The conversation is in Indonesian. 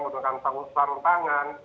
menggunakan masker menggunakan sarung tangan